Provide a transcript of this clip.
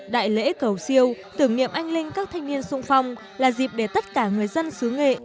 đại lễ cầu siêu tưởng niệm anh linh các thanh niên sung phong là dịp để tất cả người dân xứ nghệ